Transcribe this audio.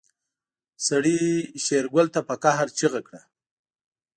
سړي شېرګل ته په قهر چيغه کړه.